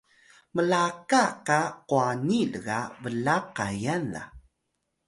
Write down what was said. mlaka qa kwani lga blaq kayal la